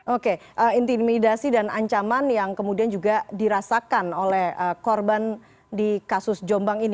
oke intimidasi dan ancaman yang kemudian juga dirasakan oleh korban di kasus jombang ini